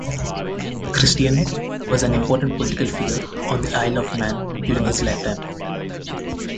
Christian was an important political figure on the Isle of Man during his lifetime.